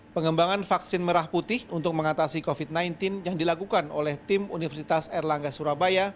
pengembangan vaksin merah putih untuk mengatasi covid sembilan belas yang dilakukan oleh tim universitas erlangga surabaya